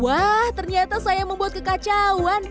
wah ternyata saya membuat kekacauan